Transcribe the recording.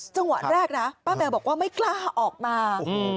จังหวะแรกนะป้าแมวบอกว่าไม่กล้าออกมา